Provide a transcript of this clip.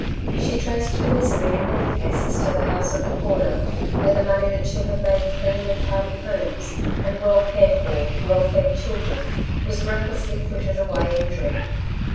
She traced the misery in many cases to the house at the comer, where the money that should have made clean and tidy homes, and well cared for, well fed children, was recklessly frittered away in drink.